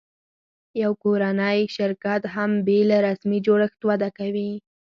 یو کورنی شرکت هم بېله رسمي جوړښت وده کوي.